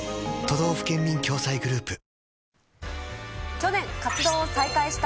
去年、活動を再開した